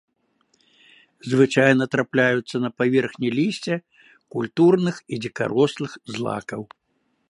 Звычайна трапляюцца на паверхні лісця культурных і дзікарослых злакаў.